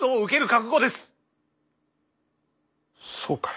そうかい。